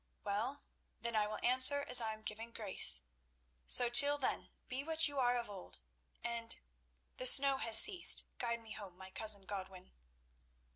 Well, then I will answer as I am given grace. So till then be what you were of old, and—the snow has ceased; guide me home, my cousin Godwin."